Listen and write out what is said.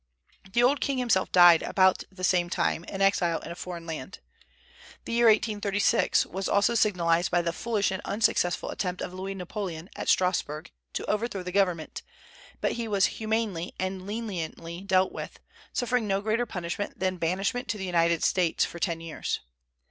The old king himself died, about the same time, an exile in a foreign land. The year 1836 was also signalized by the foolish and unsuccessful attempt of Louis Napoleon, at Strasburg, to overthrow the government; but he was humanely and leniently dealt with, suffering no greater punishment than banishment to the United States for ten years.